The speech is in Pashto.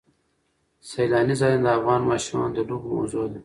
سیلاني ځایونه د افغان ماشومانو د لوبو موضوع ده.